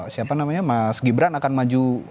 siapa namanya mas gibran akan maju